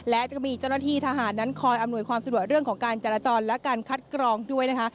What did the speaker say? และจะมีเจ้าหน้าที่ทหารนั้นคอยอำนวยความสะดวกเรื่องของการจราจรและการคัดกรองด้วยนะคะ